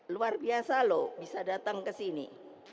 luar biasa loh bisa datang kesini